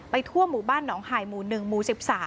ทั่วหมู่บ้านหนองหายหมู่๑หมู่๑๓